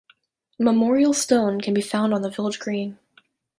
A memorial stone can be found on the village green.